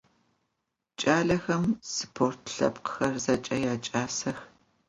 Ç'alexem sport lhepkhxer zeç'e yaç'asex.